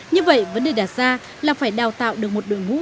như vậy vấn đề đặt ra là phải đào tạo được một đội ngũ